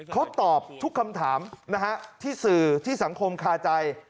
เขาตอบทุกคำถามนะฮะที่สื่อที่สังคมคาใจ